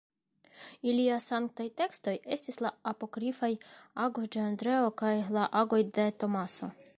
Ilia sanktaj tekstoj estis la apokrifaj Agoj de Andreo kaj la Agoj de Tomaso.